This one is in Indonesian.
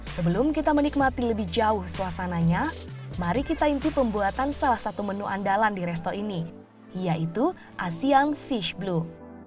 sebelum kita menikmati lebih jauh suasananya mari kita inti pembuatan salah satu menu andalan di resto ini yaitu asean fish blue